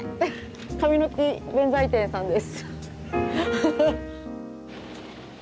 神ノ木弁財天さんです。